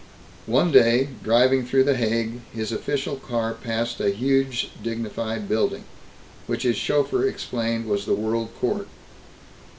One day, driving through The Hague, his official car passed a huge dignified building, which his chauffeur explained was the World Court.